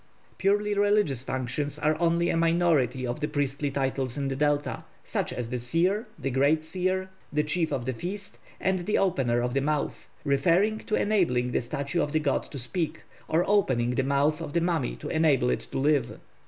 Purely religious functions are only a minority of the priestly titles in the Delta, such as the Seer, the Great Seer, the Chief of the Feast, and the Opener of the Mouth, referring to enabling the statue of the god to speak, or opening the mouth of the mummy to enable it to live.